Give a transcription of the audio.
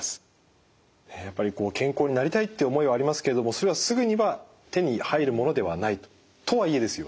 やっぱり健康になりたいって思いはありますけれどもそれはすぐには手に入るものではないと。とはいえですよ